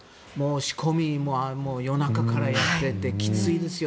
仕込みも夜中からやってきついですよ。